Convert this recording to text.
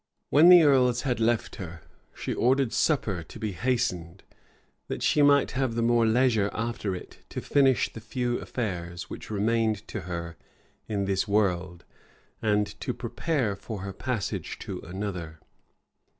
When the earls had left her, she ordered supper to be hastened, that she might have the more leisure after it to finish the few affairs which remained to her in this world, and to prepare for her passage to another.